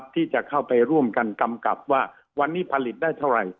ที่จะเข้าไปร่วมกันกำกับว่าวันนี้ผลิตได้เท่าไหร่